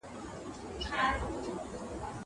ايا ته سندري اورې؟